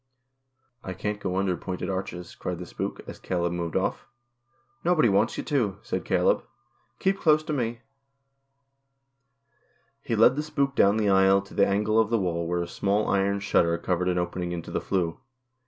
" I can't go under pointed arches," cried the spook, as Caleb moved off. " Nobody wants you to," said Caleb. " Keep close to me." He led the spook down the aisle to the angle of the wall where a small iron shutter covered an opening into the flue.